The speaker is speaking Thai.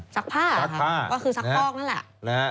ซักผ้าคือซักฟอกนั่นแหละซักผ้านะฮะ